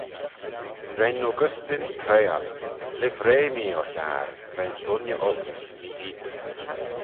"Ren Augustine prayal ""Livrey mee, O Hiarn, veih'n dooinney olk – meehene."